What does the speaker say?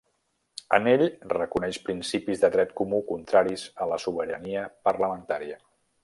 En ell reconeix principis de dret comú contraris a la sobirania parlamentària.